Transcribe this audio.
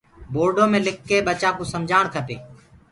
پورڊو مي لِک لي ٻچآ ڪو سمجهآڻ کپي۔